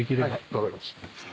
分かりました。